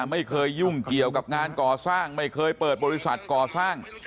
ไม่เคยยุ่งเกี่ยวกับงานก่อสร้างไม่เคยเปิดบริษัทก่อสร้าง